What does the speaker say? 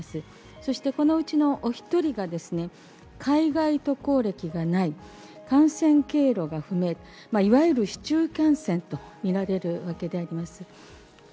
そしてこのうちのお１人がですね、海外渡航歴がない、感染経路が不明、いわゆる市中感染と見られるわけであります。